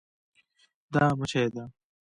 دا مچي ده